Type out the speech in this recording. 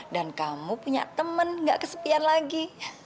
dan kamu punya temen gak kesepian lagi